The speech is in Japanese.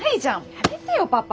やめてよパパ！